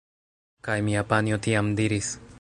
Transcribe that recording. Kaj mia panjo tiam diris: